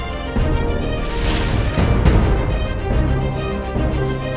tapi orangnya juga murid